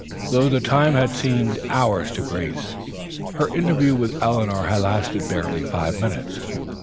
Though the time had seemed hours to Grace, her interview with Eleanor had lasted barely five minutes.